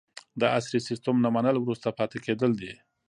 د عصري سیستم نه منل وروسته پاتې کیدل دي.